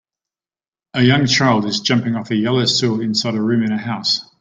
A young child is jumping off a yellow stool inside a room in a house.